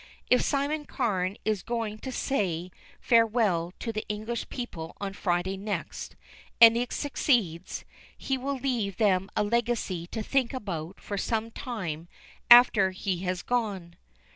If Simon Carne is going to say farewell to the English people on Friday next, and it succeeds, he will leave them a legacy to think about for some time after he has gone."